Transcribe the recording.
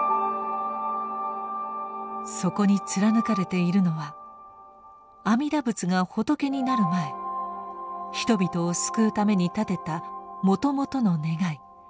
そこに貫かれているのは阿弥陀仏が仏になる前人々を救うために立てたもともとの願い